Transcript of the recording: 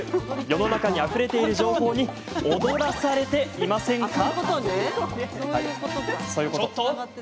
世の中にあふれている情報に踊らされていませんか？